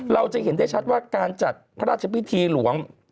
เราจะเห็นได้ชัดว่าการจัดพระราชพิธีหลวง